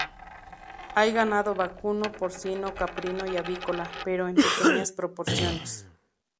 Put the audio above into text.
Hay ganado vacuno, porcino, caprino y avícola, pero en pequeñas proporciones.